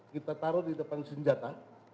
kita taruh di depan senjata